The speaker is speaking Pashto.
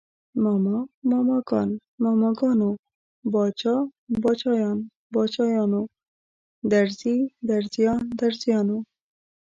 ماما، ماماګان، ماماګانو، باچا، باچايان، باچايانو، درزي، درزيان، درزیانو